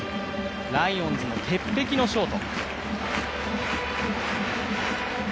ライオンズの鉄壁のショート。